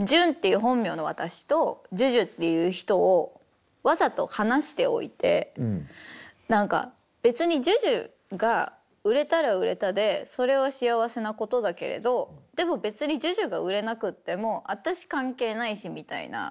ジュンっていう本名の私とＪＵＪＵっていう人をわざと離しておいて何か別にＪＵＪＵが売れたら売れたでそれは幸せなことだけれどでも別にＪＵＪＵが売れなくっても私関係ないしみたいな。